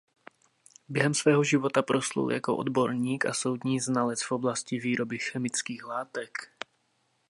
Během svého života proslul jako odborník a soudní znalec v oblasti výroby chemických látek.